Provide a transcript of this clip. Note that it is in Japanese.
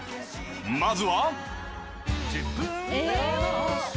［まずは］